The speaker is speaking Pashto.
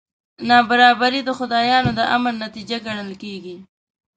نابرابري د خدایانو د امر نتیجه ګڼل کېږي.